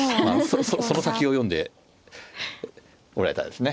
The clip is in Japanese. その先を読んでおられたんですね。